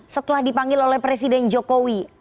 setelah dipanggil oleh presiden jokowi